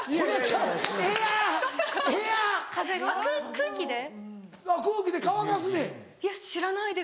空気で？